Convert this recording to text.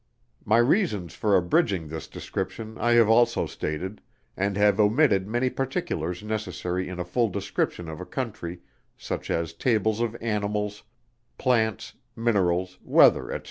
My reasons for abridging this Description I have also stated, and have omitted many particulars necessary in a full description of a Country, such as tables of Animals, Plants, Minerals, Weather, &c.